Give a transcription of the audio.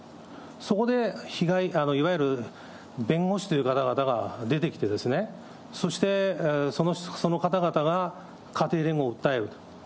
そこでいわゆる弁護士という方々が出てきて、そして、その方々が家庭連合を訴えると。